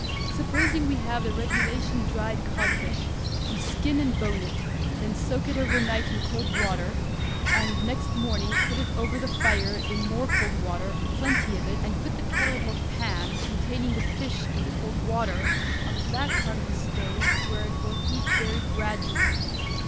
Supposing we have the regulation dried codfish, we skin and bone it, then soak it over night in cold water, and next morning put it over the fire in more cold water, plenty of it, and put the kettle or pan containing the fish and the cold water on the back part of the stove, where it will heat very gradually.